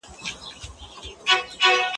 ستابې میني خلک که ژوندي وي هم ټول مړي دي